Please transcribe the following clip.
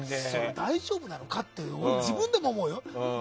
大丈夫なのかって自分でも思う。